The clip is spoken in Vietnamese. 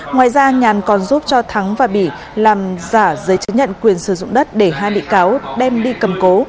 ngoài ra nhàn còn giúp cho thắng và bỉ làm giả giấy chứng nhận quyền sử dụng đất để hai bị cáo đem đi cầm cố